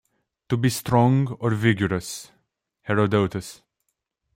To be strong or vigorous.-"Herodotus".